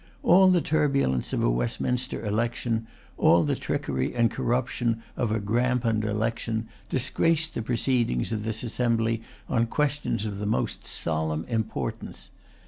All the turbulence of a Westminster election, all the trickery and corruption of a Grampound election, disgraced the proceedings of this assembly on questions of the most solemn importance.